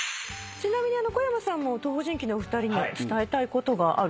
ちなみに小山さんも東方神起のお二人に伝えたいことがあるそうですね。